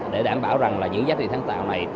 để đảm bảo rằng là những giá trị sáng tạo này